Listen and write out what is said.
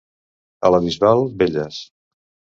A la Bisbal, velles.